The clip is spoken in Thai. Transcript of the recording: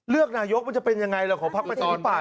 เลือกนายกมันจะเป็นอย่างไรหรือของพรรคประชุมนิปัตย์